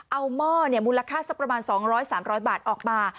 เอาหม้อมูลค่าสักประมาณ๒๐๐๓๐๐บาทออกมา